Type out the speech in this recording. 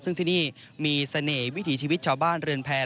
ซึ่งที่นี่มีเสน่ห์วิถีชาวบ้านเหลืองค์แพง